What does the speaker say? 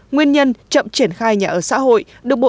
nguyên nhân chậm triển khai nhà ở xã hội